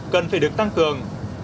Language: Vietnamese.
cần phải được tăng cường